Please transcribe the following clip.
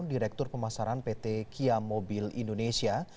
direktur pemasaran pt kia mobil indonesia